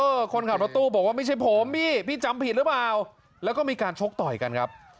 คนขับรถตู้บอกว่าไม่ใช่ผมพี่พี่จำผิดหรือเปล่าแล้วก็มีการชกต่อยกันครับ